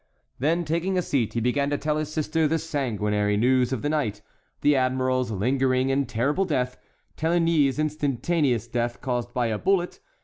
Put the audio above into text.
Then taking a seat he began to tell his sister the sanguinary news of the night, the admiral's lingering and terrible death, Téligny's instantaneous death caused by a bullet.